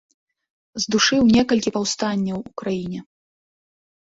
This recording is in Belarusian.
Здушыў некалькі паўстанняў у краіне.